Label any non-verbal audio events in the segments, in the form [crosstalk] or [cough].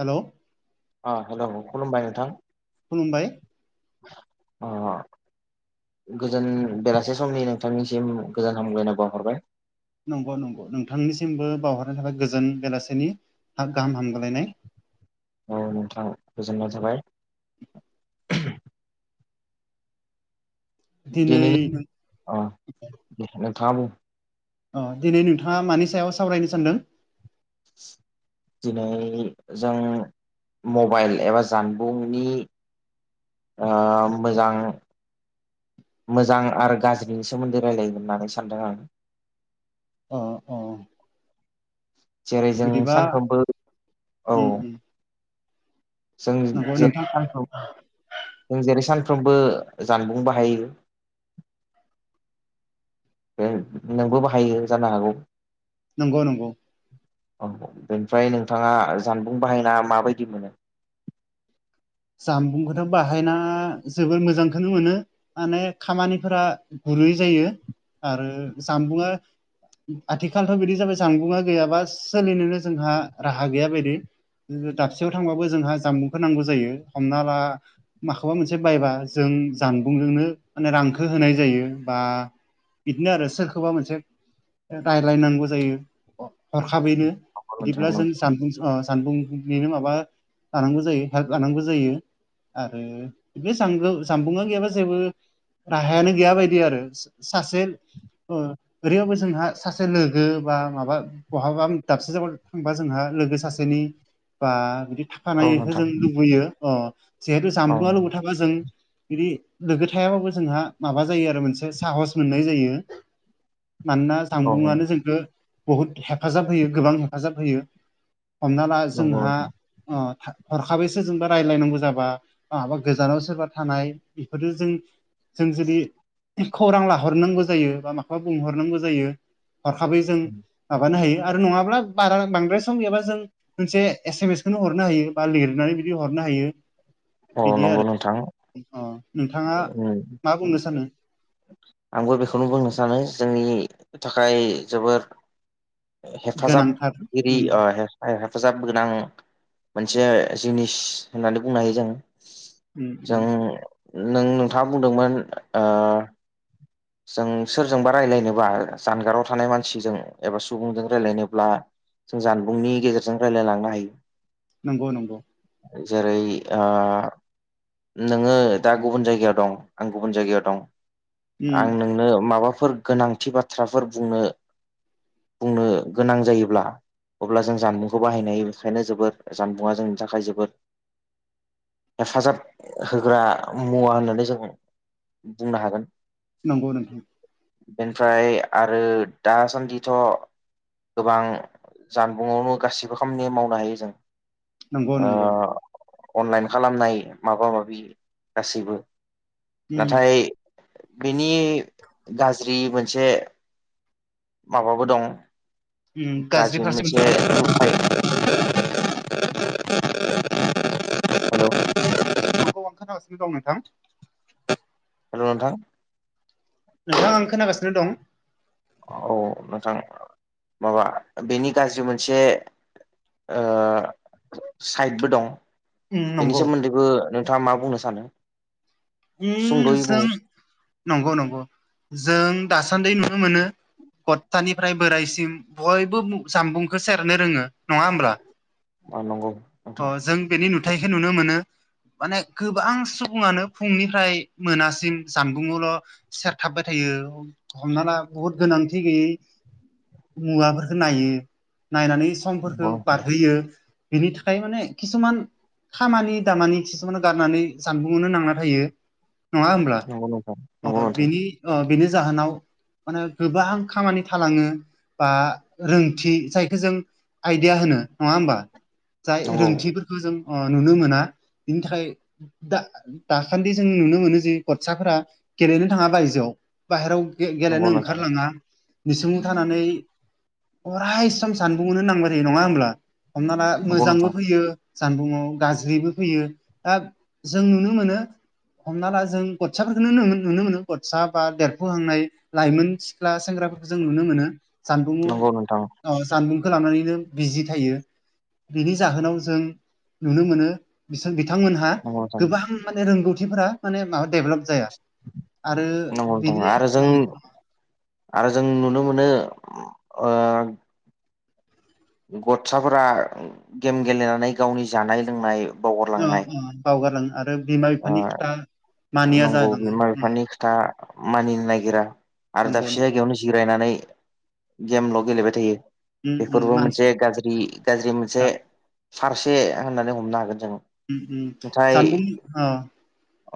हेल' ओ हेलौ खुलुमबाय नोंथां। खुलुमबाय। अ' गोजोन बेलासे समनि नोंथांनिसिम गोजोन हामग्लायनाय बावहरबाय। नंग नंग नोंथांनिसिमबो बावहरनाय थाबाय। गोजोन बेलासेनि हा गाहाम हामग्लायनाय औ नोंथां गोजोननाय थाबाय। दिनै दिनैनि अ' दे नोंथाङा बुं अ' दिनै नोंथाङा मानि सायाव सावरायनो सानदों? [inaudible] दिनै जों मबाइल एबा जानबुंनि ओ मोजां मोजां आरो गाज्रिनि सोमोन्दै रायलायगोन होननानै सानदों आं। अ अ जेरै जों बिदिबा सानफ्रामबो औ उम उम जों नंगौ जेरै नोंथां सानफ्राव जों जेरै सानफ्रोमबो जानबुं बाहायो। फाय नोंबो बाहायो जानो हागौ। नंग नंग। औ बेनिफ्राय नोंथाङा जानबुं बाहायना माबायदि मोनो? जामबुंखौथ' बाहायनाङा जोबोर मोजांखोनो मोनो। माने खामानिफोरा गुरै जायो। आरो जामबुंआ आथिखालथ' बिदि जाबाय जानबुङा गैयाबा सोलिनोनो जोंहा राहा गैया बायदि जोङो दाबसेयाव थांबाबो जोंहा जाम्बुंफोर नांगौ जायो। हमना ला माखौबा मोनसे बायबा जों जानबुंजोंनो माने रांखो होनाय जायो। बा इदनो आरो सोरखौबा मोनसे रायलायनांगौ जायो। अ' हरखाबैनो औ नोंथां बिदिब्ला नंगौ जों जानबुं ओ जानबुं बेनो माबा लानांगौ जायो। हाद लानांगौ जायो। आरो बेजांजो जामबुङा गैयाबा जेबो राहायानो गैया बायदि आरो। सो सासे ओ ओरैयावबो जोंहा सासे लोगो बा माबा बहाबा दाबसे जाबाव थांबा जोंहा लोगो सासेनि बा बिदि था औ फानायखो नोंथां जों लुबैयो। अ' जिहेथु औ जामबुआ लुगो थाबा जों बिदि लोगो थायाबाबो जोंहा माबा जायो आरो मोनसे साहस मोननाय जायो। मानोना औ जानबुङानो जोंखो बहुद हेफाजाब होयो गोबां हेफाजाब होयो। हमना ला नंगौ जोंहा अ' था हरखाबैसो जों दा रायलायनांगौ जाबा आबा गोजानाव सोरबा थानाय बेफोरजों जों जों जुदि खौरां लाहरनांगौ जायो बा माखौबा बुंहर नांगौ जायो। हरखाबै जों माबानो हायो। आरो नङाब्ला बारा बांद्राय सम गैयाबा जों मोनसे एसे मेसखौनो हरनो हायो बा लिरनानै बि दि हरनो हायो। औ बिदि नंगौ आरो नोंथां अ' नोंथाङा मा उम बुंनो सानो? आंबो बेखौनो बुंनो सानो जोंनि थाखाय जोबोर गोनांथार हेफाजाबगिरि उम ओ हेफाजाब गोनां मोनसे जिनिस होननानै बुंनो हायो जों। उम उम जों नों नोंथाङा बुंदोंमोन ओ जों सोरजोंबा राय्लायनोबा जानगाराव थानाय मानसिजों एबा सुबुंजों रायलायनोब्ला जानबुंनि गेजेरजों रायलायलांनो हायो। नंगौ नंगौ। जेरै ओ नोङो दा गुबुन जायगायाव दं आं गुबुन जायगायाव दं। उम आं नोंनो माबाफोर गोनांथि बाथ्राफोर बुंनो बुंनो गोनां जायोब्ला अब्ला जों जानबुंखौ बाहायनाय बेखायनो जोबोर जानबुंङा जोंनि थाखाय जोबोर हेफाजाब होग्रा मुवा होननानै जों बुंनो हागोन। नोंगौ नोंथां। बेनिफ्राय आरो दासान्दिथ' गोबां जानबुंआवनो गासिबो खामानि मावनो हायो जों। नंगौ नंगौ अनलाइन खालामनाय माबा माबि गासैबो उम नाथाय बिनि गाज्रि मोनसे माबाबो दं ओम गाज्रि फारसे मोनसे नुथाय [inaudible] [inaudible] हेल' मा खामगासिनो दं नोंथां। [inaudible] हेल' नोंथां। नोंथां आं खोनागासिनो दं। औ नोंथां माबा बेनि गाज्रि मोनसे साइडबो दं। उम बेनि नंगौ सोमोन्दैबो नोंथाङा मा बुंनो सानो? सुंद'यै बुं जों नंगौ नंगौ जों दासान्दि नुनो मोनो। गस्थानिफ्राय बोरायसिम बयबो जामबुंखौ सेरनो रोङो नङा होमब्ला? नंगौ अ नोंथां जों बेनि नुथायखौ नुनो मोनो माने गोबां सुबुङानो फुंनिफ्राय मोनासिम जानबुंआवल' सेरथाबबाय थायो। हमना ला बुहुत गोनांथि गैयै मुवाफोरखौ नायो नायनानै समफोरखौ नंगौ बारहोयो। बिनि थाखाय माने खिसुमान खामानि दामानि खिसुमान गारनानै जानबुंआवनो नांला ायो नङा नोंथां नंगौ नोंथां हब्लानि बिनि जाहोनाव माने गोबां खामानि थालाङो बा रोंथि जायखौ जों आइदििया होनो नङा होमबा? जाय नंगौ रोंथिफोरखौ जों नुनो मोना बिनि थाखाय दा दाखादि जों नुनो मोनो जे गथसाफोरा गेलेनो थाङा बायजोआव बाहेराव नंगौ गेलेनो नोंथां ओंखारलाङा निसिम थानानै अराय समम सानबुंो नांबाय थायो नङा होमब्ला हमना ला नंगौ मोजांबो नोंथां फैयो जानबुंङआव गाज्रिबो फैयो दा जों नुनो मोनो हमना ला जों गसाफोरफोरखौोनो नुनो मोनो गसा बा देरफुहांनाय लाइमोन सिख्ला सेंग्राफोरखौ जों नुनो मोनो जानबुं नंगौ नोंथां जानबुंखौ लानानैनो बिजि थायो बिनि जाहोनाव जों नुनो मोनो बिथांमोन नंगौ नोंथां गोबां माने रोंगौथिफोरा माने माबा डेभेलप जाया आरो नंगौ नोंथां बिदि आरो जों आरो जों नुनो मोनो गथसाफोरा गेम गेलेनानै गावनि जानाय लोंनाय अ बावगारलांनाय अ बावगारलाङो आरो बिमा ओ बिफानि खोथा मानिया जालाङो। ा मानिनो नागिरा आरो नंगौ नंगौ दाबसे जायगायावनो जिरायनानै गेमल' गेलेबाय थायो बेफोरबो मोनसे मानसिफ्रा गाज्रि गाज्रि मोनसे फारसे होननानै हमनो हागोन जों नाथाय सान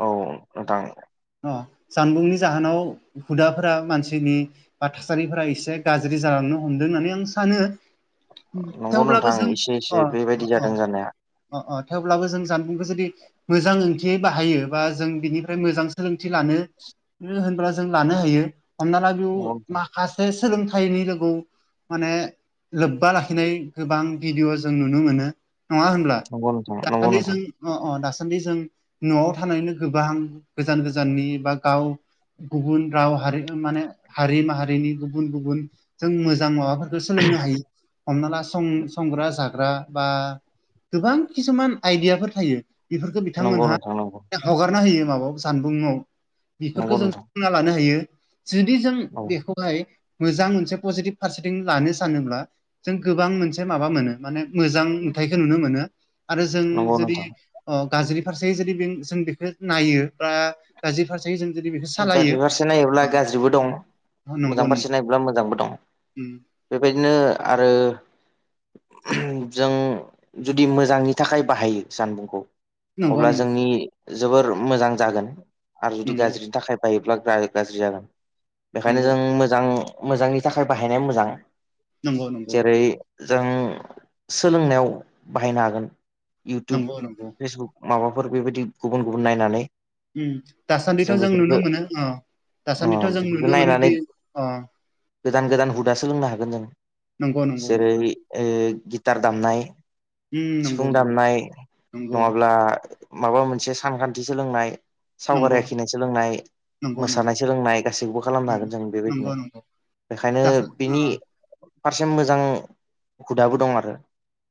औ नोंथां अ जानबुंनि जाहोनाव हुदाफोरा मानसिनि बा थासारिफोरा एसे गाज्रि जालांनो हमदों होननानै आं सानो नंगौ थेवब्लाबो नोंथां जों एसे एसे अ बेबायदि अ जादों जानाया अ अ थेवब्लाबो जों जानबुंखौ जुदि मोजां ओंथियै बाहायो बा जों बिनिफ्राय मोजां सोलोंथि लानो होनोबब्ला जों लानो हायो हमना ला नंगौ नोंथां बेयाव सासे सोलोंथाइनि लोगोगौ माने लोब्बा लाखिनाय गोबां भिडियअ जों नुनो मोनो नङा होनब्ला नंगौ नोंथां नंगौ दासान्दि नोंथां जों अ अ दासान्दि जों न'आव थानायनो गोबां गोजान गोजाननि बा गाव गुबुन राव हारि माने हारि माहारिनि गुबुन गुबुन जों मोजां माबाफोरखौ सोलोंनो हायो हमना लां संग्रा जाग्रा बा गोबां किसुमान आइदियाफोर थायो बेफोरखौ नंगौ बिथांमोनहा नोंथां नंगौ हगारना होयो माबायाव जानबुंआव नोंथां नंगौ बेफोरखौ जों नोंथां ल हायो जुदि जों औ बेखौ बेाय मोजां मोनसे पजिटिभ फारसेथिं लानो सानोब्ला जों गोबां मोनसे माबा मोनो माने मोजां नुथायखौ नुनो मोनो आरो जों नंगौ जुदि नोंथां अ गाज्रि फारसे जुदि जों बेखौ नायो बा गाज्रि फारसे जों जुदि बेखौ सालायो गाज्रि फारसे नायोब्ला गाज्रिबो दं अ नंगौ मोजां नंगौ फारसे नायोब्ला मोजांबो दं बेबायदिनो आरो जों जुदि मोजांनि थाखाय बाहायो जानबुंखौ नंगौ अब्ला नंगौ जोंनि जोबोर मोजां जागोन आरो जुदि नंगौ गाज्रि थाखाय बायोब्ला गाज्रि जागोन बेखायनो नंगौ जों मोजां मोजांनि थाखाय बाहायनाया मोजां नंगौ नंगौ जेरै जों सोलोंनायाव बाहायनो हागोन इउटुब नंगौ नंगौ फेसबुक माबाफोर बेबायदि गुबुन गुबुन नायनानै दासान्दिथ' जों नुनो मोनो अ ओ दासान्दिथ' जों बेफोरखौ नुनो मोनोदि नायनानै अ गोदान गोदान हुदा सोलोंनो हागोन जों नंगौ नंगौ जेरै नोंथां गिटार दामनाय सिफुं नंगौ नंगौ दामनाय नंगौ नङाब्ला माबा मोनसे सानखान्थि सोलोंनाय नंगौ सावगारि आखिनाय सोलोंनाय नंगौ नंगौ मोसानाय सोलोंनाय गासैखौबो खालामनो हागोन नंगौ जों नंगौ बेबायदिनो नंगौ बेखायनो दासा ओ बिनि फारसे मोजां हुदाबो दं आरो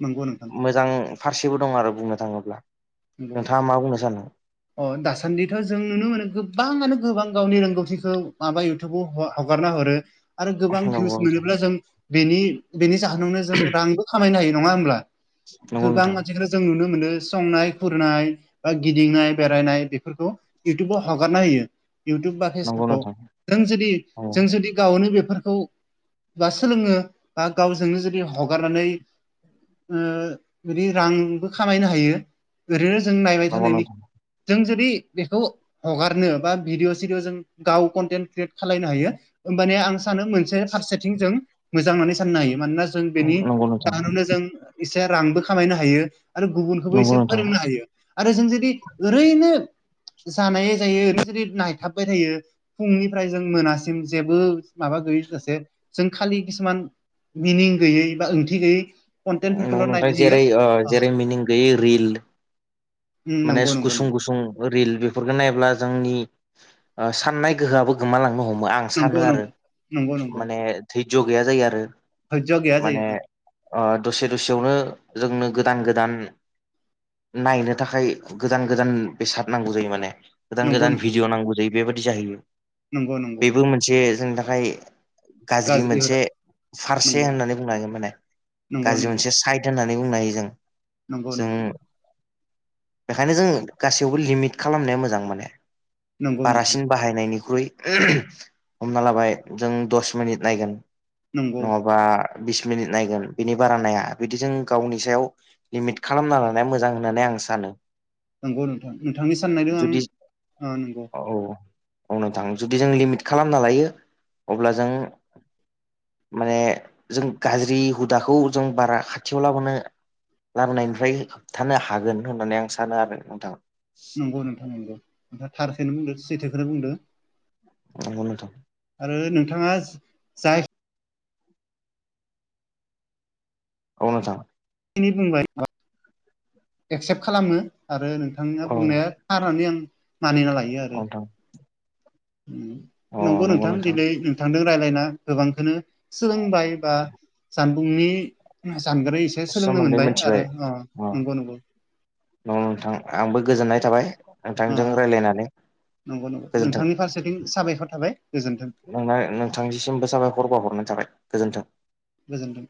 नंगौ नोंथां मोजां फारसेबो दं आरो बुंनो थाङोब्ला नंगौ नोंथाङा मा बुंनो सानोदों अ दासान्दिथ' जों नुनो मोनो गोबाङानो गोबां गावनि रोंगौथिखौ माबायो हगारना हरो आरो गोबां भिउस नंगौ नोंथां मोनोब्ला जों बेनि बेनि जाहोनावनो जों रांबो खामायनो हायो नङा होमब्ला नंगौ गोबां नोंथां मानसिफोरा जों नुनो मोनो संनाय फुरनाय बा गिदिंनाय बेरायनाय बेफोरखौ इउटुबाव हगारना होयो नंगौ नोंथां जों जुदि औ जों जुदि गावनो बेफोरखौ बा सोलोङो बा गावजोंनो जुदि हगारनानै बिदि रांबो खामायनो हायो ओरैनो जों नायबाय नंगौ थानायनि नोंथां जों जुदि बेखौ हगारनो बा भिडिअ सिडियअ जों गाव कन्टेन्ट क्रियेट खालायनो हायो होमबाने आं सानो मोनसे फारसेथिं जों मोजां होननानै साननो हायो मानोना जों बेनि नंगौ नोंथां जाहोनावनो जों एसे रांबो खामायनो हायो आरो गुबुनखौबो नंगौ एसे नोंथां फोरोंनो हायो आरो जों जुदि ओरैनो जानाय जायै ओरैनोसदि नायथाबबाय थायो फुंनिफ्राय जों मोनासिम जेबो माबा गैयै जाासे जों खालि किसुमान मिनिं गैयै बा ओंथि गैयै न' कन्टेन्टफोरखौल' नोंथां नायबाय थायो जेरै जेरै मिनिं गैयै रिल उम माने नंगौ नंगौ गुसुं गुसुं रिल बेफोरफोरखौ नाय्ला जोंनि साननाय गोहोआबो गोमालांनो हमो आं आं सानो नंगौ आरो नंगौ नंगौ माने धैज गैया जायो आरो धयज' गैया जायो माने ओं दसे दसेयावनो जोंनो गोदान गोदान नायनो नि थाखाय गोदान गोदान बेसाद नांगौ जायो माने गोदान नंगौ गोदान नंगौ भिडिअ नांगौ जायो बेबायाददि जाहैयो नंगौ नंगौ बेबो मोनसे जोंनि थाखाय गाज्रि मोनसे फारसे नंगौ होननानै बुंन हांगोन माने नंगौ गाज्रि नंगौ मोनसे साइद होननानै बुंनो हायो जों नंगौ जों नंगौ बेखायनो जों गासैयावबो लिमिट खालामनाया मोजां माने नंगौ नोंथां बारासिन बायनायनिख्रुइ हमना लाबाय जों दस मिनिट नायगोन नंगौ नङ बा बिस मिनिट नायगोन बिनि बारा नाया बिदिजों गावनि सायाव लिमिट खालामना लानाया मोजां होननानै आं सानो नंगौ नोंथां नोंथांनि साननायजों जुदि आं नंगौ औ अनोंथां जुदि जों लिमिट खालामना लायो अब्ला जों माने जों गाज्रि हुदाखौ जों बारा खाथियाव लाबो लाबोनायनिफ्राय होबथानो हागोन होननानै आं सानो आरो नोंथां नंगौ नोंथां नंगौ नोंथा थारखखौनो बुंदो सैथोखौनो बुंदो औ [unintelligible] आरो नोंथाङा जाय औ नोंथां बुंबाय म एक्सेप्ट खालामो आरो नों औ नोंथां बुंनाया थार होननानै आं मानिना लायो अ आरो नोंथां नंगौ नोंथां दिनै थांदों रायलायना गोबांखौनो सोलोंबाय बा जानबुंनि जानग्रा सोलोंनो सोमोन्दै मोनबाय मिथिबाय आरो अ नंगौ नंगौ अ नोंथां आंबो गोजोननाय थाबाय अ नोंथांजों रायज्लायनानै गोजोनथों थिं साबायखर थाबाय गोजोन्थों नों नोंथांनिसिमबो साबायखर बानहरनाय थाबाय गोजोन्थों गोजोनथों